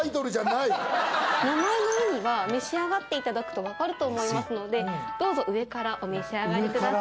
名前の意味は召し上がっていただくと分かると思いますのでどうぞ上からお召し上がりください。